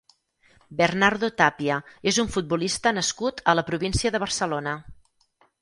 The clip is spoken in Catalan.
Bernardo Tapia és un futbolista nascut a la província de Barcelona.